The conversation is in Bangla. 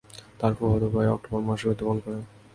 তার ফুফাতো ভাই অক্টোবর মাসে মৃত্যুবরণ করে।